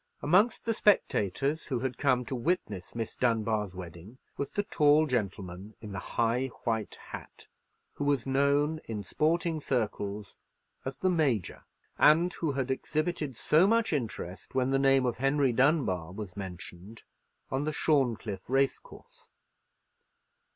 Amongst the spectators who had come to witness Miss Dunbar's wedding was the tall gentleman in the high white hat, who was known in sporting circles as the Major, and who had exhibited so much interest when the name of Henry Dunbar was mentioned on the Shorncliffe racecourse.